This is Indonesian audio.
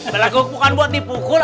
belakang bukan buat dipukul